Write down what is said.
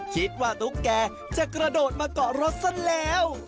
ตุ๊กแกจะกระโดดมาเกาะรถซะแล้ว